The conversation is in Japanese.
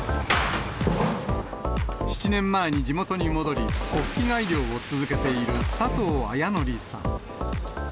７年前に地元に戻り、ホッキ貝漁を続けている佐藤文紀さん。